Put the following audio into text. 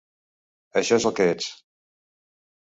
Això és el que ets!